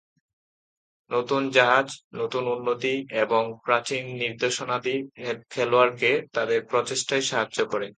নতুন জাহাজ, নতুন উন্নতি এবং প্রাচীন নিদর্শনাদি খেলোয়াড়কে তাদের প্রচেষ্টায় সাহায্য করে।